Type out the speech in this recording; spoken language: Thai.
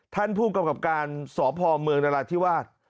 ท่านผู้กรรมกรรมการสภเมืองนราธิวาส